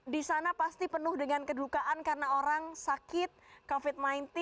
di sana pasti penuh dengan kedukaan karena orang sakit covid sembilan belas